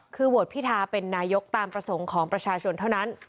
คือโหวตพิทาเป็นนายกตามประสงค์ของประชาชนเท่านั้น